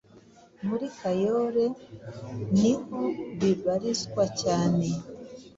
muri kayole niho bibarizwa cyane